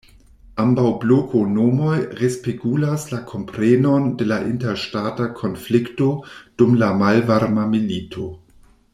Ambaŭ "bloko"-nomoj respegulas la komprenon de la interŝtata konflikto dum la Malvarma Milito.